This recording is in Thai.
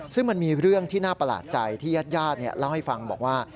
ซึ่งมันมีเรื่องที่น่าประหลาดใจที่ญาติญาติเล่าให้ฟังบอกว่า